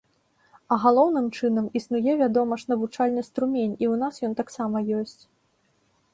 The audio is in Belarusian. А галоўным чынам, існуе, вядома ж, навучальны струмень і ў нас ён таксама ёсць.